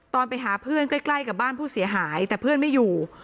ตอนไปหาเพื่อนใกล้กับบ้านผู้เสียหายแต่เพื่อนไม่อยู่